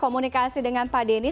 komunikasi dengan pak denny